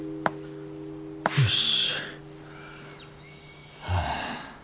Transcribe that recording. よし。